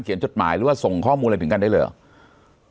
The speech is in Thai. จดหมายหรือว่าส่งข้อมูลอะไรถึงกันได้เลยเหรอ